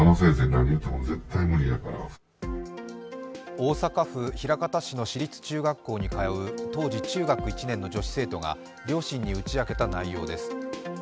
大阪府枚方市の市立中学校に通う当時中学１年生の女子生徒が両親に打ち明けた内容です。